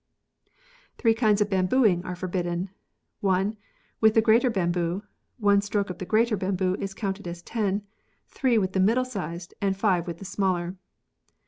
" Three kinds of bambooing are forbidden. (1.) With the greater bamboo. [One stroke of the greater bamboo is counted as ten ; three with the middle sized^ and five with the smaller.